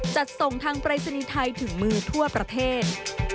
จัดส่งทางปรายศนีย์ไทยถึงมือทั่วประเทศ